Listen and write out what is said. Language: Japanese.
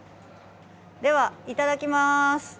ではいただきます！